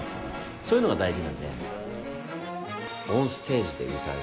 そういうのが大事なんで。